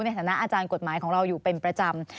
ในฐานะอาจารย์กฎหมายของเราอยู่เป็นประจำ